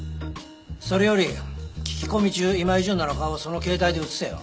それより聞き込み中今井純奈の顔をその携帯で映せよ。